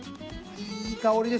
いい香りです。